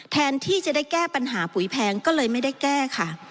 แทนที่จะได้แก้ปัญหาปุ๋ยแพงก็เลยไม่ได้แก้ค่ะ